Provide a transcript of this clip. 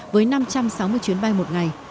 với năm trăm sáu mươi chuyến bay một ngày